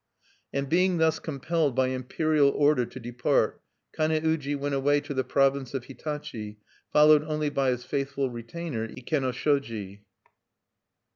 And being thus compelled by imperial order to depart, Kane uji went away to the province of Hitachi, followed only by his faithful retainer, Ikenoshoji.